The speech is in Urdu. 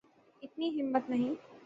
اتنی ہمت نہیں۔